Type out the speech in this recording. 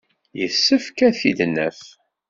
Yessefk ad t-id-naf.